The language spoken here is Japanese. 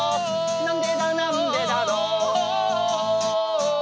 「なんでだなんでだろう」